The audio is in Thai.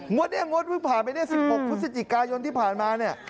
งดเนี่ยงดเมื่อผ่านไป๑๖พฤศจิกายนที่ผ่านมา